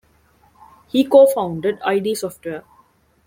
He co-founded id Software.